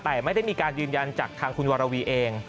แต่ไม่ได้มีการยืนยันจากทางคุณวรวีเอง